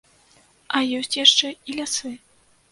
А ёсць яшчэ і лясы.